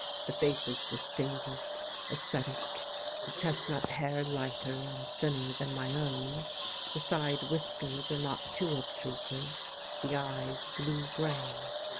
The face is distinguished, ascetic, the chestnut hair lighter and thinner than my own; the side whiskers are not too obtrusive, the eyes blue grey.